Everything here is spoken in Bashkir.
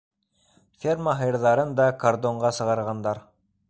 Ферма һыйырҙарын да кордонға сығарғандар.